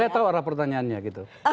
saya tahu arah pertanyaannya gitu